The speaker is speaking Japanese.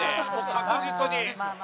確実に。